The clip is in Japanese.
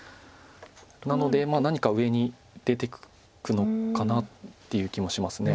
なのでまあ何か上に出ていくのかなっていう気もします。